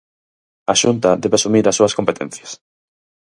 A Xunta debe asumir as súas competencias.